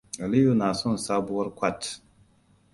Aliyu na son sabuwar kwat.